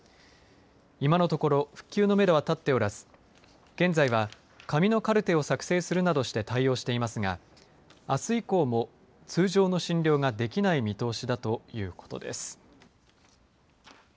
今のところ復旧のめどは立っておらず現在は紙のカルテを作成するなどして対応していますがあす以降も通常の診療ができない見通しだということです。